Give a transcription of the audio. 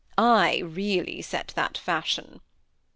I really set that fashion."